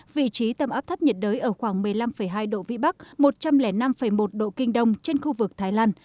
vị trí tâm áp thấp nhiệt đới ở khoảng một mươi năm hai độ vĩ bắc một trăm linh năm một độ kinh đông trên khu vực thái lan